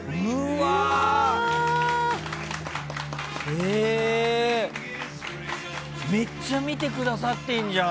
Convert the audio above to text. へえーめっちゃ見てくださってるじゃん。